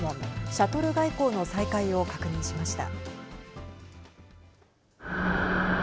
シャトル外交の再開を確認しました。